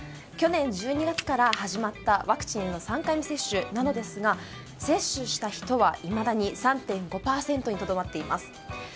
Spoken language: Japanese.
去年１２月から始まったワクチン３回目接種ですが接種した人はいまだに３．５％にとどまっています。